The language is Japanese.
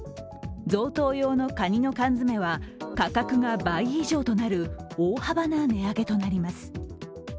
贈答用のカニの缶詰は価格が倍以上となる大幅な値上げとなります。